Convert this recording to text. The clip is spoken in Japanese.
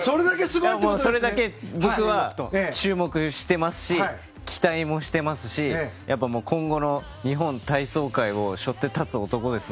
それだけ僕は注目していますし期待もしていますし今後の日本体操界を背負って立つ男。